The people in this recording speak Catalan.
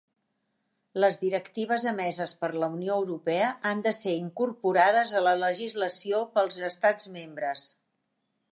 Les directives emeses per la Unió Europea han de ser incorporades a la legislació pels Estats Membres.